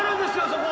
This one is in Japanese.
そこ。